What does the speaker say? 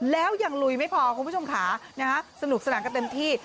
แล้วยังลุยไม่พอคุณผู้ชมค่ะสนุกสนานกันเต็มที่